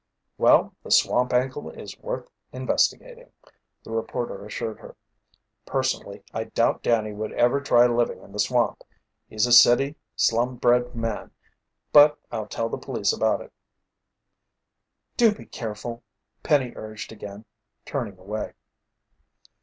"Well, the swamp angle is worth investigating," the reporter assured her. "Personally, I doubt Danny would ever try living in the swamp he's a city, slum bred man but I'll tell the police about it." "Do be careful," Penny urged again, turning away.